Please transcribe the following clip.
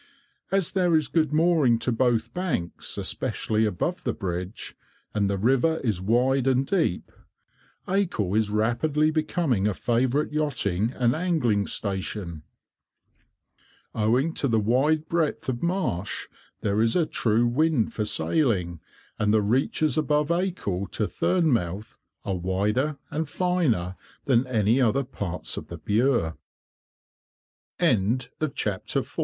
As there is good mooring to both banks, especially above the bridge, and the river is wide and deep, Acle is rapidly becoming a favourite yachting and angling station. [Picture: St. Benet's Abbey] Owing to the wide breadth of marsh there is a true wind for sailing, and the reaches above Acle to Thurnemouth are wider and finer than any other part